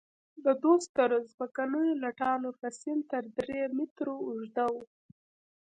د دوو سترو ځمکنیو لټانو فسیل تر درې مترو اوږده وو.